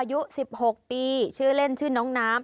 อายุ๑๖ปีชื่อเล่นชื่อน้องน้ำ